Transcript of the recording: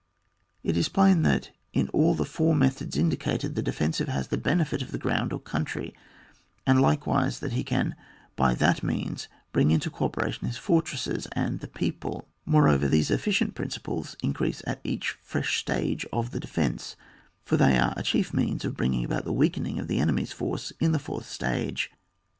It is plain that, in all the four methods indicated, the defensive has the benefit of the ground or coimtry, and likewise that he can by that means bring into co operation his fortresses and the people ; moreover these efficient principles in crease at each fresh stage of the de fence, for they are a chief means of bringing about the weakening of the enemy's force in the fourth stage.